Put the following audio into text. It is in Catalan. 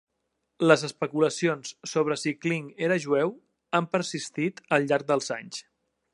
Les especulacions sobre si Kling era jueu han persistit al llarg del anys.